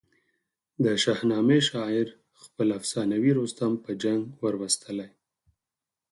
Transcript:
د شاهنامې شاعر خپل افسانوي رستم په جنګ وروستلی.